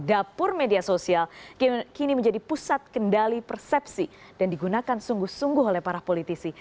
dapur media sosial kini menjadi pusat kendali persepsi dan digunakan sungguh sungguh oleh para politisi